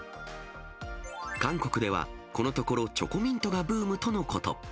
韓国では、このところ、チョコミントがブームとのこと。